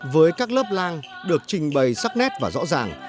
với các lớp lang được trình bày sắc nét và rõ ràng